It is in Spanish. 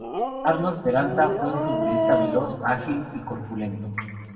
Arnold Peralta fue un futbolista veloz, ágil y corpulento.